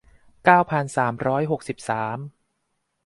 เก้าพันสามร้อยหกสิบสาม